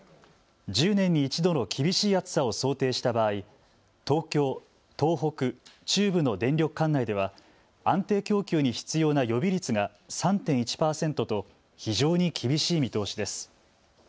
１０年に１度の厳しい暑さを想定した場合、東京、東北、中部の電力管内では安定供給に必要な予備率が３．１％と非常に厳しい見通しです。